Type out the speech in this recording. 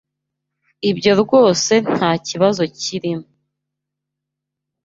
Ibyo rwose ntakibazo kirimo.